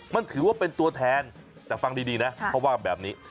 มันถือว่าเป็นตัวแทนแต่ฟังดีนะเขาว่าแบบนี้